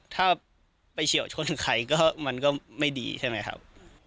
ถ้าไปเฉียวชนใครก็มันก็ไม่ดีใช่ไหมครับ